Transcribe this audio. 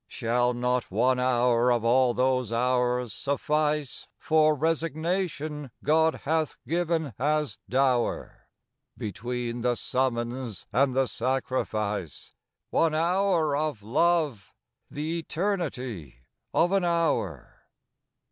Shall not one hour of all those hours suffice For resignation God hath given as dower? Between the summons and the sacrifice One hour of love, th' eternity of an hour?